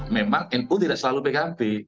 memang nu tidak selalu pkb